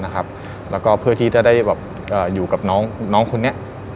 แล้วก็เพื่อที่จะได้อยู่กับน้องคนนี้